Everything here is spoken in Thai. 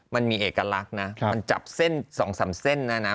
มันมีเอกลักษณ์มันจับเส้นสองสามเส้นนะ